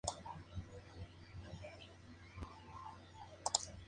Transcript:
Estaba en Surrey cuando se construyó y ha sido conservado.